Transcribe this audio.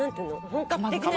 本格的な。